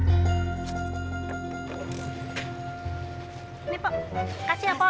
ini pok kasih ya pok